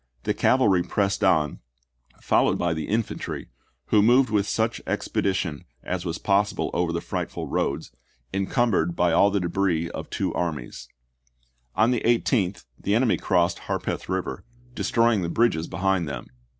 The cavalry pressed on, followed by the infantry, who moved with such expedition as was possible over the frightful roads, incumbered by all the debris of two armies. Dec, 1864. On the 18th, the enemy crossed Harpeth Eiver, destroying the bridges behind them.